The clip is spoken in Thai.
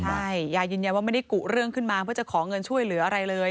ใช่ยายยืนยันว่าไม่ได้กุเรื่องขึ้นมาเพื่อจะขอเงินช่วยเหลืออะไรเลย